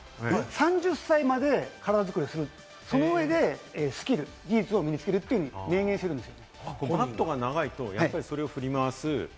３０歳までは体作りをする、その上でスキル・技術を身につけると言ってるんです。